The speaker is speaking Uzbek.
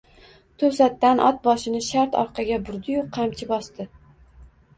Toʼsatdan ot boshini shart orqaga burdiyu qamchi bosdi.